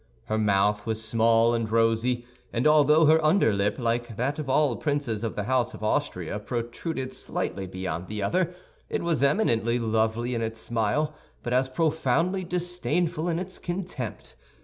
Her mouth was small and rosy; and although her underlip, like that of all princes of the House of Austria, protruded slightly beyond the other, it was eminently lovely in its smile, but as profoundly disdainful in its contempt.